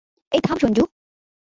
এই থাম, সঞ্জু।